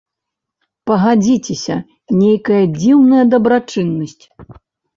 Пагадзіцеся, нейкая дзіўная дабрачыннасць.